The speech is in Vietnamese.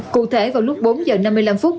cụ thể vào lúc bốn h năm mươi năm phút